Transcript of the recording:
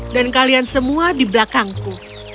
dan kalian semua di belakangku